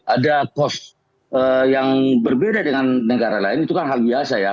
ada cost yang berbeda dengan negara lain itu kan hal biasa ya